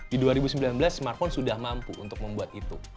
di dua ribu sembilan belas smartphone sudah mampu untuk membuat itu